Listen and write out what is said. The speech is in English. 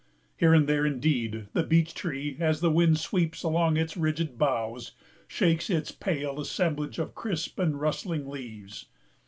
Here and there, indeed, the beech tree, as the wind sweeps among its rigid boughs, shakes its pale assemblage of crisp and rustling leaves.